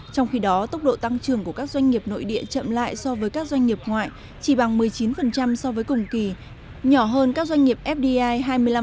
trong khi đó tốc độ tăng trưởng của các doanh nghiệp nội địa chậm lại so với các doanh nghiệp ngoại chỉ bằng một mươi chín so với cùng kỳ nhỏ hơn các doanh nghiệp fdi hai mươi năm